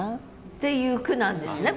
っていう句なんですね